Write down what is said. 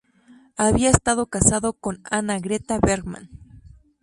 Había estado casado con la Anna Greta Bergman.